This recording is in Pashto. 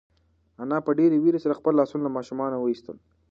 انا په ډېرې وېرې سره خپل لاسونه له ماشومه وایستل.